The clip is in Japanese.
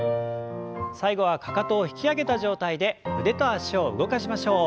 最後はかかとを引き上げた状態で腕と脚を動かしましょう。